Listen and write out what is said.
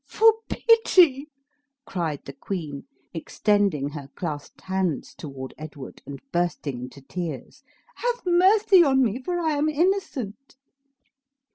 "For pity!" cried the queen, extending her clasped hands toward Edward, and bursting into tears; "have mercy on me, for I am innocent!"